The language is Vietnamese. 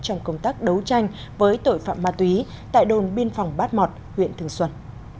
trong công tác đấu tranh với tội phạm ma túy tại đồn biên phòng bát mọt huyện thường xuân